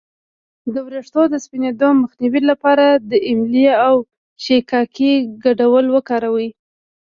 د ویښتو د سپینیدو مخنیوي لپاره د املې او شیکاکای ګډول وکاروئ